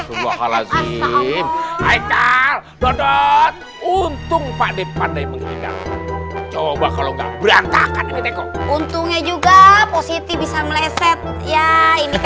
untung pak dek coba kalau nggak berantakan untungnya juga posisi bisa meleset ya ini